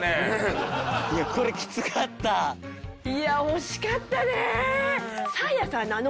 いや惜しかったね！